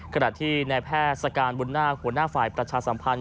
เมื่อกีดในแพทย์สการบุญรมณ์หัวหน้าฝ่ายประชาสัมพันธ์